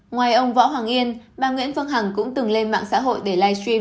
ngoài ông võ hoàng yên bà nguyễn phương hằng cũng từng lên mạng xã hội để live stream